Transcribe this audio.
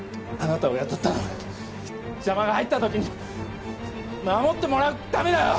あなたを雇ったのは邪魔が入った時に守ってもらうためだ！